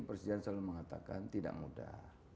presiden selalu mengatakan tidak mudah